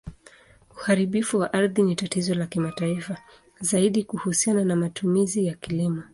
Uharibifu wa ardhi ni tatizo la kimataifa, zaidi kuhusiana na matumizi ya kilimo.